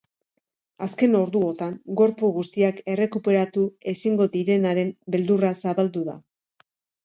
Azken orduotan gorpu guztiak errekuperatu ezingo direnaren beldurra zabaldu da.